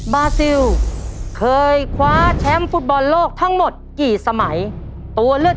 บาซิลเคยคว้าแชมป์ฟุตบอลโลกทั้งหมดกี่สมัยตัวเลือก